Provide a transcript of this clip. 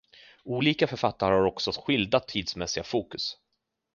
Olika författare har också skilda tidsmässiga fokus.